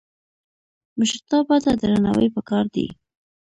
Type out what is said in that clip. مشرتابه ته درناوی پکار دی